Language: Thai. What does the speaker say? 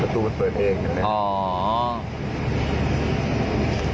ประตูมันเปิดเองอยู่เนี่ย